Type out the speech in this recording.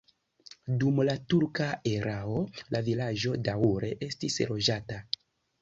Dum la turka erao la vilaĝo daŭre estis loĝata.